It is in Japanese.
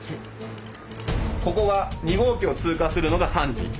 ここが２号機を通過するのが３時。